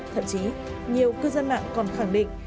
thậm chí nhiều cư dân mạng còn khẳng định